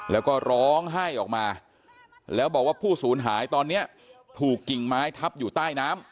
แล้วก็ร้องไห้ออกมาแล้วบอกว่าผู้สูญหายตอนนี้ถูกกิ่งไม้ทับอยู่ใต้น้ำ